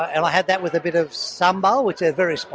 dan saya memiliki itu dengan sambal yang sangat pedas